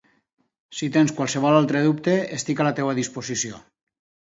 Si tens qualsevol altre dubte, estic a la teva disposició.